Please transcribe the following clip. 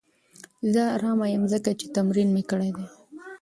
زه ارامه یم ځکه چې تمرین مې کړی دی.